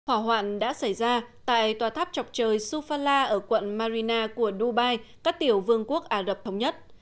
hỏa hoạn đã xảy ra tại tòa tháp chọc trời sufala ở quận marina của dubai các tiểu vương quốc ả rập thống nhất